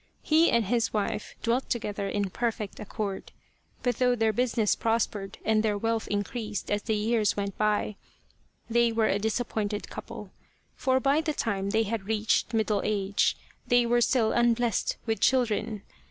He and his wife dwelt together in perfect accord, but though their busi ness prospered and their wealth increased as the years went by, they were a disappointed couple, for by the time they had reached middle age they were still unblessed with children.